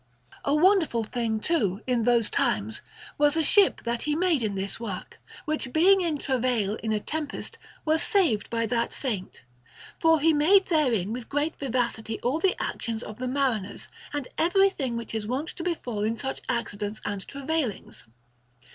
A wonderful thing, too, in those times, was a ship that he made in this work, which, being in travail in a tempest, was saved by that Saint; for he made therein with great vivacity all the actions of the mariners, and everything which is wont to befall in such accidents and travailings.